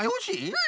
うん。